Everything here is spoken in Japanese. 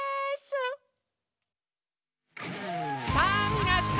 さぁみなさん！